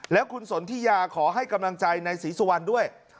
แล้วคุณสนทิยาขอให้กำลังใจในศรีสุวรรณด้วย